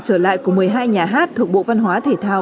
trở lại của một mươi hai nhà hát thuộc bộ văn hóa thể thao